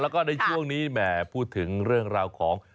แล้วก็ในช่วงนี้แหมพูดถึงเรื่องราวของ